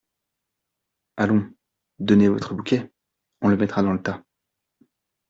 Allons… donnez votre bouquet… on le mettra dans le tas !